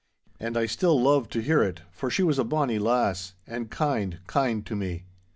And I still loved to hear it, for she was a bonny lass—and kind, kind to me.